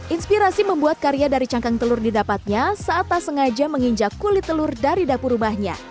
inspirasi membuat karya dari cangkang telur didapatnya saat tak sengaja menginjak kulit telur dari dapur rumahnya